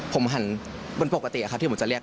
ผมหันบนปกติครับที่ผมจะเรียก